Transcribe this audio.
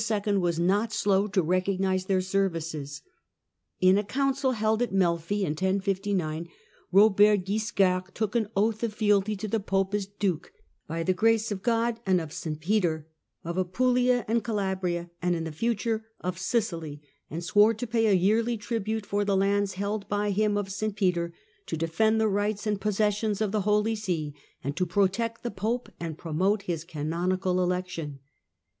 was not slow to recognize their services. In a Council held at Melfi in 1059, Eobert Guiscard took an oath of fealty to the Pope as Duke, " by the grace of God and of St Peter," of Apulia and Calabria, and, '* in the future," of Sicily, and swore to pay a yearly tribute for the lands held by him of St Peter, to defend the rights and possessions of the Holy See, and to protect the Pope and promote his canonical election.